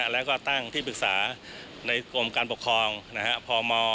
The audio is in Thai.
และตั้งปรึกษาที่กรมการปกครองพม